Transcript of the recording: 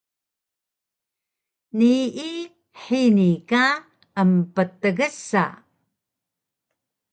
Nii hini ka emptgsa